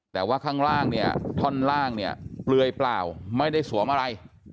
แต่ว่าข้างล่างเนี่ยท่อนล่างเนี่ยเปลือยเปล่าไม่ได้สวมอะไร